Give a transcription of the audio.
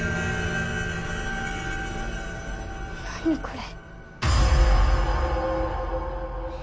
何これ。